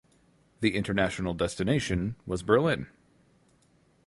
The international destination was Berlin.